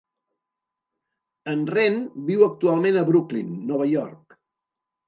En Renn viu actualment a Brooklyn, Nova York.